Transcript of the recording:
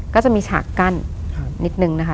ก็จะมีฉากกั้นนิดนึงนะคะ